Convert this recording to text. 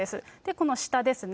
この下ですね。